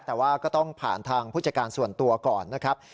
แต่ว่าก็ต้องผ่านทางผู้จัดการส่วนตัวก่อนนะครับ